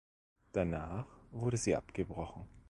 Danach wurde sie abgebrochen.